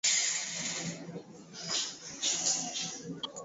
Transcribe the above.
Chumvi Kijiko cha chakula moja